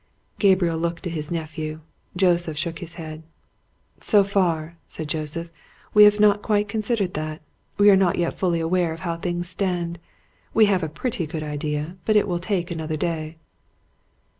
Gabriel looked at his nephew: Joseph shook his head. "So far," said Joseph, "we have not quite considered that. We are not yet fully aware of how things stand. We have a pretty good idea, but it will take another day."